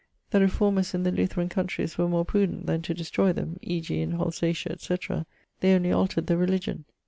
The reformers in the Lutheran countrys were more prudent then to destroy them (e.g. in Holsatia, etc.); only altered the religion.